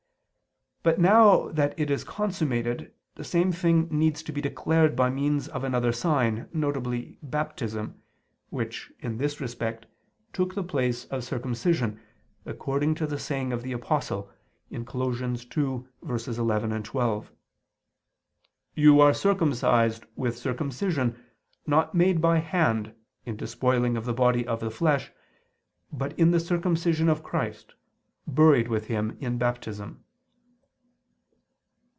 But now that it is consummated, the same thing needs to be declared by means of another sign, viz. Baptism, which, in this respect, took the place of circumcision, according to the saying of the Apostle (Col. 2:11, 12): "You are circumcised with circumcision not made by hand, in despoiling of the body of the flesh, but in the circumcision of Christ, buried with Him in Baptism."